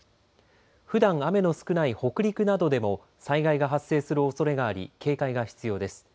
ふだん雨の少ない北陸などでも災害が発生するおそれがあり警戒が必要です。